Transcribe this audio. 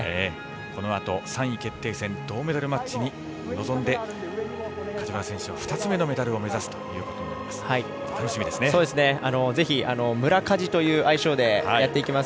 このあと、３位決定戦銅メダルマッチに臨んで梶原選手は２つ目のメダルを目指すということになります。